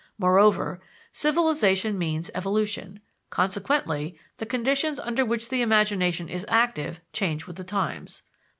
Moreover, civilization means evolution; consequently the conditions under which the imagination is active change with the times.